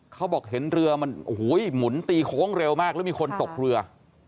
เขาบอกเห็นเรือมันโอ้โหหมุนตีโค้งเร็วมากแล้วมีคนตกเรือ